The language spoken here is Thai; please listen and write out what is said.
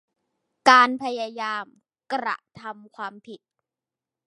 การพยายามกระทำความผิด